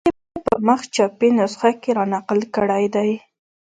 اظماننتم یې په مخ چاپي نسخه کې را نقل کړی دی.